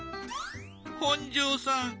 本上さん